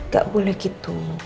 gak boleh gitu